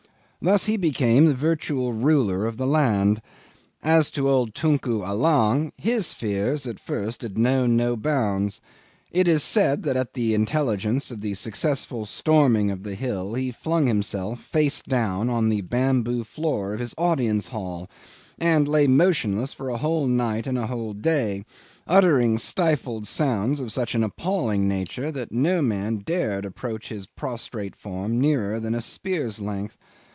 Thus he became the virtual ruler of the land. As to old Tunku Allang, his fears at first had known no bounds. It is said that at the intelligence of the successful storming of the hill he flung himself, face down, on the bamboo floor of his audience hall, and lay motionless for a whole night and a whole day, uttering stifled sounds of such an appalling nature that no man dared approach his prostrate form nearer than a spear's length.